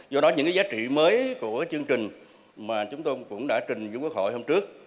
do đó những giá trị mới của chương trình mà chúng tôi cũng đã trình với quốc hội hôm trước